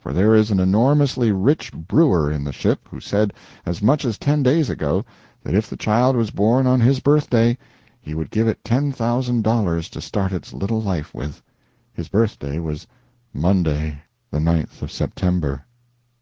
For there is an enormously rich brewer in the ship who said as much as ten days ago, that if the child was born on his birthday he would give it ten thousand dollars to start its little life with. His birthday was Monday, the 9th of September.